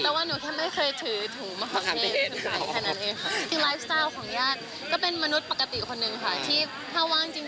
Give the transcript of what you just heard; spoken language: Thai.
แล้วว่าหนูแค่ไม่เคยถือถุงมหาวเทศ